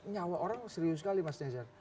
nyawa orang serius sekali mas jazat